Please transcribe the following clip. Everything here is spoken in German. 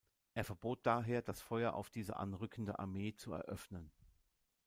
Er verbot daher, das Feuer auf diese anrückende Armee zu eröffnen.